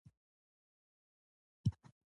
مصریان او ټونسیان د سیاسي حقونو نشتوالی اصلي لامل ګڼي.